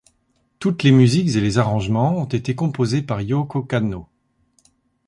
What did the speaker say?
Toutes les musiques et les arrangements ont été composés par Yōko Kanno.